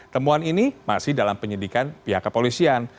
temuan ini masih dalam penyidikan pihak kepolisian